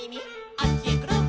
「あっちへくるん」